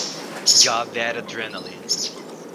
Got that adrenaline.